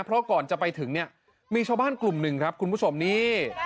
เพราะก่อนจะไปถึงเนี่ยมีชาวบ้านกลุ่มหนึ่งครับคุณผู้ชมนี่